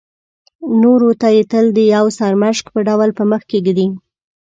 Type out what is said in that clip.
نورو ته یې تل د یو سرمشق په ډول په مخکې ږدي.